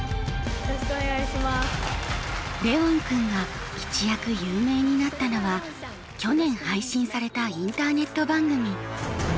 レウォン君が一躍有名になったのは去年配信されたインターネット番組。